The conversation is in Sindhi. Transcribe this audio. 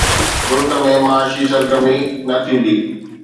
ملڪ ۾ معاشي سرگرمي نه ٿيندي.